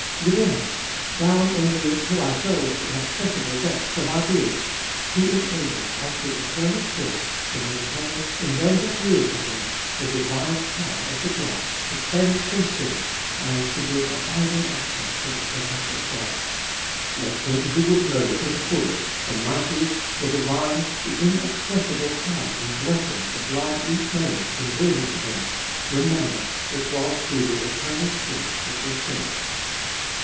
Within us, down in the to ourselves inaccessible depths of our being, He is able, as the Eternal Spirit, to maintain, in them that yield to Him, the divine power of the blood to cleanse from sin and to give abiding access to the presence of God. Let him who would know to the full the mighty, the divine, the inexpressible power and blessing the blood each moment can bring in Him, remember, it was through the Eternal Spirit it was shed.